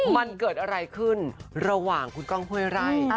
มันเกิดอะไรขึ้นระหว่างคุณก้องห้วยไร่